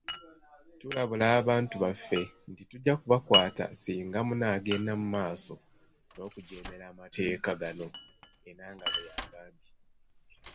“Tulabula abantu baffe nti tujja kubakwata singa munaagenda mumaaso n'okujeemera amateeka gano,” Enanga bweyagambye.